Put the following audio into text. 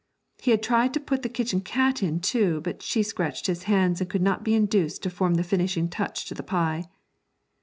He had tried to put the kitchen cat in too, but she scratched his hands and could not be induced to form the finishing touch to the pie.